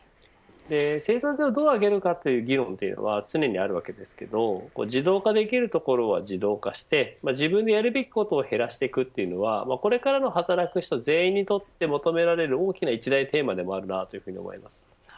生産性をどう上げるかという議論は常にありますが自動化できるところは自動化して自分のやるべきことを減らしていくというのはこれからの働く人全員にとって求められる大きな一大テーマでもあると思います。